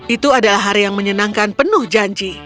itu adalah hari yang menyenangkan penuh janji